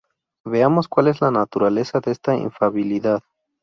Veamos cuál es la naturaleza de esta infalibilidad.